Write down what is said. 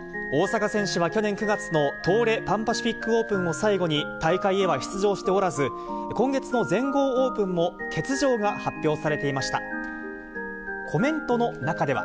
大坂選手は去年９月の東レパン・パシフィックオープンを最後に大会へは出場しておらず、今月の全豪オープンも欠場が発表されていました。